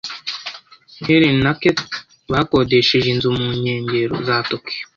Helen na Kathy bakodesheje inzu mu nkengero za Tokiyo.